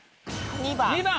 ２番。